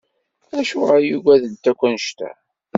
Acuɣer i yugadent akk annect-a?